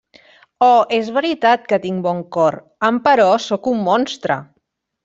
Oh és veritat que tinc bon cor, emperò sóc un monstre!